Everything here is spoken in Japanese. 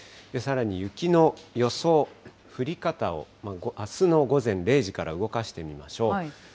さらに雪の予想、降り方をあすの午前０時から動かしてみましょう。